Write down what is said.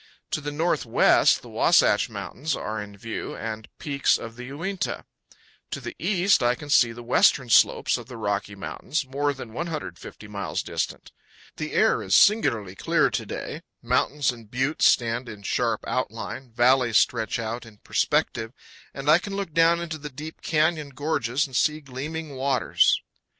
To the northwest the Wasatch Mountains are in view, and peaks of the Uinta. To the east I can see the western slopes of the Rocky Mountains, powell canyons 116.jpg FRAGMENT OF WALL, ZUÑI. more than 150 miles distant. The air is singularly clear to day; mountains and buttes stand in sharp outline, valleys stretch out in perspective, and I can look down into the deep canyon gorges and see gleaming waters.